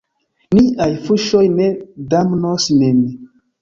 Niaj fuŝoj ne damnos nin.